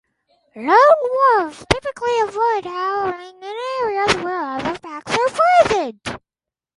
Lone wolves typically avoid howling in areas where other packs are present.